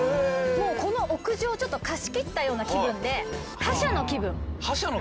もうこの屋上ちょっと貸し切ったような気分で「覇者の気分」。